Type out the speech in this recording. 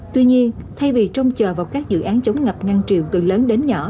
tuy nhiên thay vì trông chờ vào các dự án chống ngập ngăn triều từ lớn đến nhỏ